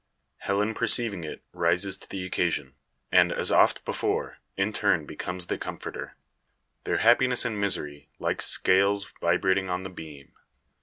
Helen perceiving it, rises to the occasion; and, as oft before, in turn becomes the comforter; their happiness and misery like scales vibrating on the beam.